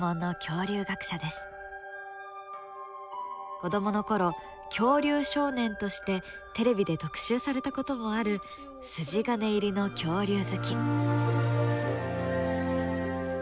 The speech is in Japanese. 子どもの頃恐竜少年としてテレビで特集されたこともある筋金入りの恐竜好き。